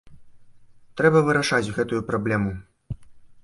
Трэба вырашаць гэтую праблему.